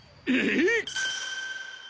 えっ！？